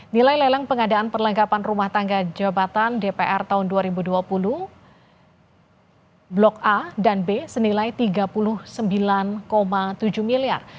nilai lelang pengadaan perlengkapan rumah tangga jabatan dpr tahun dua ribu dua puluh blok a dan b senilai rp tiga puluh sembilan tujuh miliar